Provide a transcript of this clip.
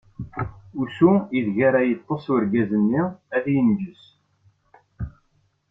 Usu ideg ara yeṭṭeṣ urgaz-nni ad inǧes.